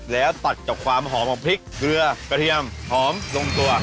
แล้วตัดกับความหอมของพริกเกลือกระเทียมหอมลงตัว